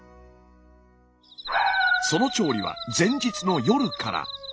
その調理は前日の夜から。